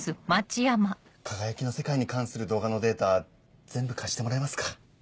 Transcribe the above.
「かがやきの世界」に関する動画のデータ全部貸してもらえますか？